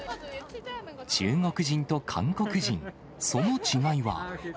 中国人と韓国人、その違いは。